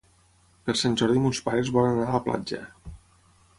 Per Sant Jordi mons pares volen anar a la platja.